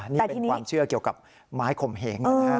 นี่เป็นความเชื่อเกี่ยวกับไม้ข่มเหงนะครับ